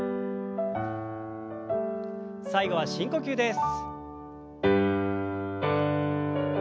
最後は深呼吸です。